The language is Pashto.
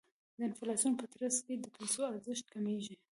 د انفلاسیون په ترڅ کې د پیسو ارزښت کمیږي.